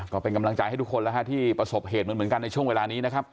ก็เป็นกำลังใจให้ทุกคนแล้วฮะที่ประสบเหตุเหมือนกันในช่วงเวลานี้นะครับ